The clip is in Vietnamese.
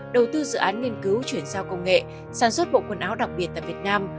đầu tư dự án nghiên cứu chuyển giao công nghệ sản xuất bộ quần áo đặc biệt tại việt nam